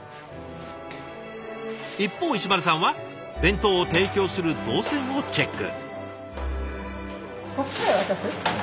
一方石丸さんは弁当を提供する動線をチェック。